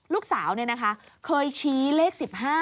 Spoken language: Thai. ลูกสาวเนี่ยนะคะเคยชี้เลข๑๕